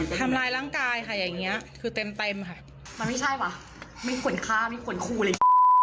ทำร้ายร่างกายค่ะอย่างนี้คือเต็มค่ะมันไม่ใช่ว่ะไม่ควรฆ่าไม่ควรคู่เลย